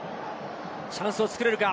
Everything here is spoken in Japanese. チャンスを作れるか。